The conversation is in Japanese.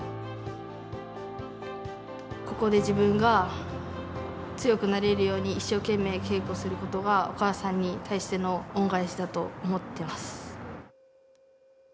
ここで自分が強くなれるように一生懸命稽古することがお母さんに対しての恩返しだと思っています。